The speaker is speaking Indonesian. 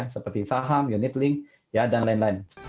seperti saham unit link dll